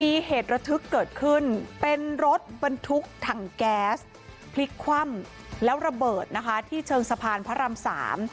มีเหตุระทึกเกิดขึ้นเป็นรถบรรทุกถังแก๊สพลิกคว่ำแล้วระเบิดนะคะที่เชิงสะพานพระรามสาม